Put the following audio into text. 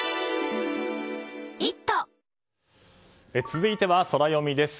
続いてはソラよみです。